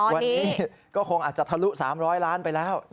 วันนี้ก็คงอาจจะทะลุ๓๐๐ล้านไปแล้ว